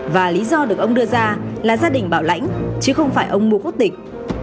và lý do được ông đưa ra là gia đình bảo lãnh chứ không phải ông mua quốc tịch